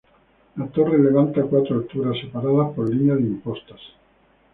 La torre levanta cuatro alturas, separadas por línea de impostas.